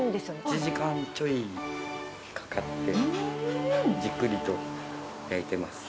１時間ちょいかかって、じっくりと焼いてます。